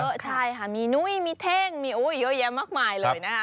เยอะใช่ค่ะมีนุ้ยมีเท่งมีเยอะแยะมากมายเลยนะคะ